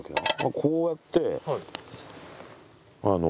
こうやって。